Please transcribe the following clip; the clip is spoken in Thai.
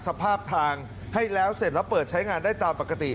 สภาพทางให้แล้วเสร็จแล้วเปิดใช้งานได้ตามปกติ